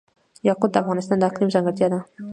یاقوت د افغانستان د اقلیم ځانګړتیا ده.